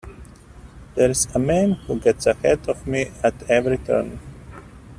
There's a man who gets ahead of me at every turn.